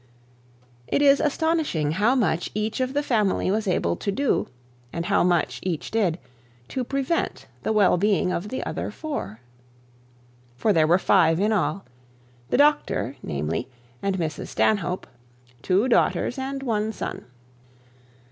It is astonishing how much each of the family was able to do, and how much each did, to prevent the well being of the other four. For there were five in all; the doctor, namely, and Mrs Stanhope, two daughters, and one son.